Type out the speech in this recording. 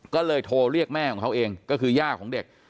ก็เลยโทรเรียกแม่ของเขาเองก็คือย่าของเด็ก